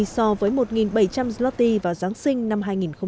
so với một bảy trăm linh zloty vào giáng sinh năm hai nghìn một mươi chín